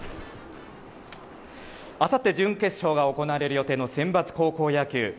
あさって準決勝が行われる予定のセンバツ高校野球。